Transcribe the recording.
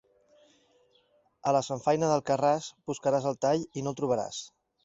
A la samfaina d'Alfarràs buscaràs el tall i no el trobaràs.